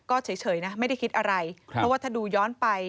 ก็เฉยนะไม่ได้คิดอะไรเพราะว่าถ้าดูย้อนไป